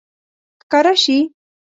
ښکاره شي